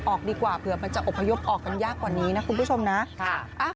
ออกดีกว่าเผื่อมันจะอบพยพออกกันยากกว่านี้นะคุณผู้ชมนะ